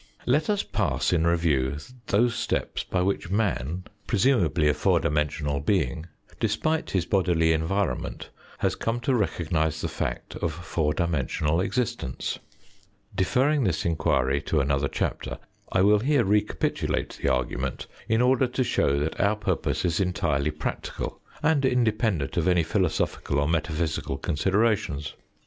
Let us pass in review those steps by which man, presumably a four dimensional THE SIGNIFICANCE OF A FOUR DIMENSIONAL EXISTENCE 21 being, despite his bodily environment, has come to recog nise the fact of four dimensional existence. Deferring this enquiry to another chapter, I will here recapitulate the argument in order to show that our purpose is entirely practical and independent of any philosophical or metaphysical considerations.